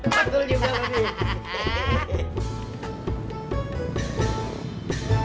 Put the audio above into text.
betul juga lo dih